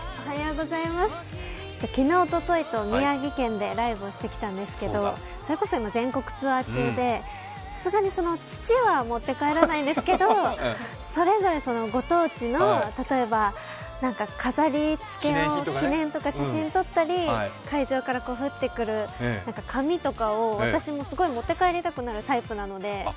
昨日ライブをしてきたんですけどそれこそ今、全国ツアー中で土は持って帰らないですけど、それぞれご当地の例えば飾りつけとか記念とか写真撮ったり、会場から降ってくる紙とかを私とかもすごく持って帰りたくなるタイプなので。